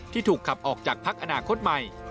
ถูกขับออกจากพักอนาคตใหม่